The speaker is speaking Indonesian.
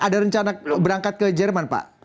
ada rencana berangkat ke jerman pak